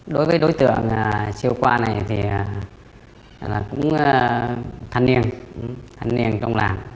đối với đối tượng siêu qua này thì cũng thân niên trong làng